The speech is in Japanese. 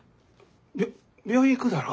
びょ病院行くだろ。